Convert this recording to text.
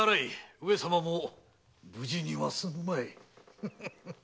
上様も無事には済むまい。